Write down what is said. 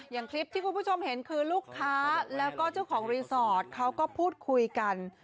อย่างคลิปที่คุณผู้ชมเห็นคือลูกค้าแล้วก็เจ้าของรีสอร์ทเขาก็พูดคุยกัน